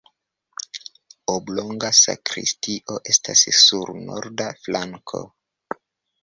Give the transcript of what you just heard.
Oblonga sakristio estas sur norda flanko.